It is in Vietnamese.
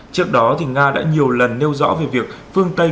trước đó nga đã nhiều lần nêu rõ về việc phương tây